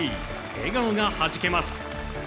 笑顔がはじけます。